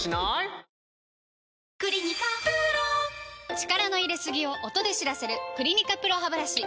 力の入れすぎを音で知らせる「クリニカＰＲＯハブラシ」